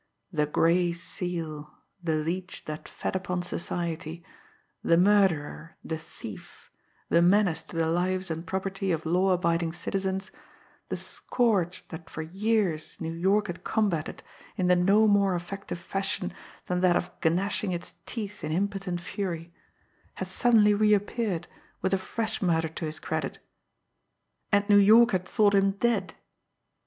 The Gray Seal, the leech that fed upon society, the murderer, the thief, the menace to the lives and property of law abiding citizens, the scourge that for years New York had combated in the no more effective fashion than that of gnashing its teeth in impotent fury, had suddenly reappeared with a fresh murder to his credit. And New York had thought him dead!